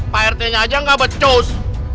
pak rt nya aja nggak becos